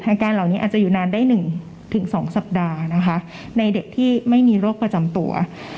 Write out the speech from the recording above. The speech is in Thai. การเหล่านี้อาจจะอยู่นานได้๑๒สัปดาห์นะคะในเด็กที่ไม่มีโรคประจำตัว